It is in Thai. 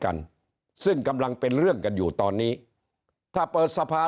กันซึ่งกำลังเป็นเรื่องกันอยู่ตอนนี้ถ้าเปิดสภา